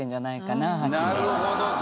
なるほど。